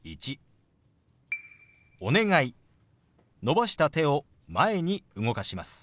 伸ばした手を前に動かします。